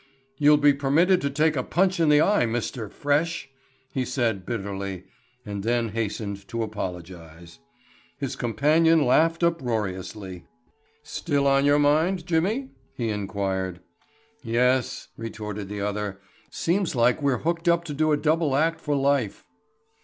"You'll be permitted to take a punch in the eye, Mr. Fresh," he said bitterly and then hastened to apologize. His companion laughed uproariously. "Still on your mind, Jimmy?" he inquired. "Yes," retorted the other; "seems like we're hooked up to do a double act for life."